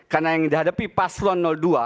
karena yang dihadapi paslon dua